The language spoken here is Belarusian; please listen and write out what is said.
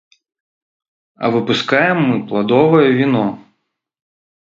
А выпускаем мы пладовае віно.